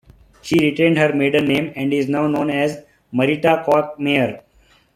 She retained her maiden name, and is now known as Marita Koch-Meier.